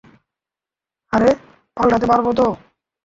আরে, পাল্টাতে পারব তো।